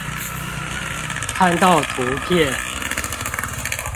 看到圖片